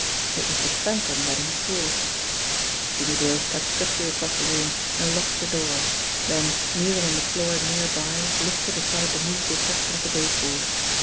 It was the Phantom that he sought ! Jimmie Dale stepped swiftly across the room and locked the door, then kneeling on the floor near by lifted aside the movable section of the baseboard.